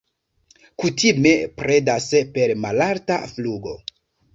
Kutime predas per malalta flugo.